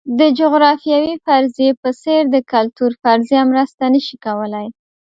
د جغرافیوي فرضیې په څېر د کلتور فرضیه مرسته نه شي کولای.